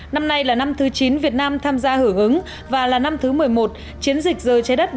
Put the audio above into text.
năm nay là năm thứ chín việt nam tham gia hưởng ứng và là năm thứ một mươi một chiến dịch rời trái đất